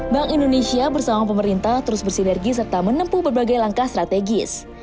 bank indonesia bersama pemerintah terus bersinergi serta menempuh berbagai langkah strategis